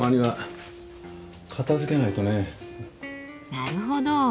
なるほど。